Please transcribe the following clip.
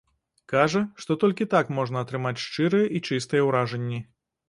Кажа, што толькі так можна атрымаць шчырыя і чыстыя ўражанні.